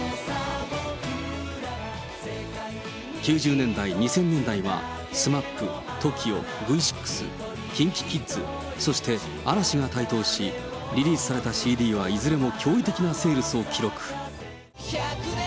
９０年代、２０００年代は、ＳＭＡＰ、ＴＯＫＩＯ、Ｖ６、ＫｉｎＫｉＫｉｄｓ、そして嵐が台頭し、リリースされたＣＤはいずれも驚異的なセールスを記録。